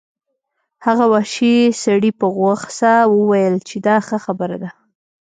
هغه وحشي سړي په غوسه وویل چې دا ښه خبره ده